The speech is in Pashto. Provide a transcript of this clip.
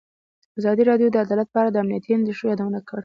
ازادي راډیو د عدالت په اړه د امنیتي اندېښنو یادونه کړې.